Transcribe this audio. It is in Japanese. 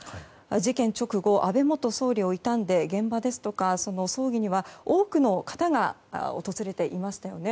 事件直後、安倍元総理を悼んで現場ですとか、葬儀には多くの方が訪れていましたよね。